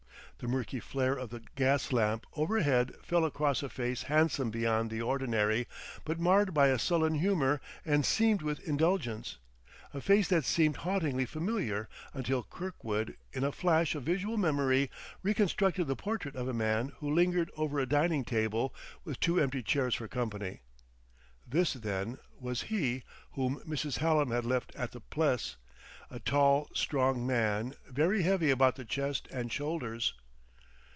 The murky flare of the gas lamp overhead fell across a face handsome beyond the ordinary but marred by a sullen humor and seamed with indulgence: a face that seemed hauntingly familiar until Kirkwood in a flash of visual memory reconstructed the portrait of a man who lingered over a dining table, with two empty chairs for company. This, then, was he whom Mrs. Hallam had left at the Pless; a tall, strong man, very heavy about the chest and shoulders....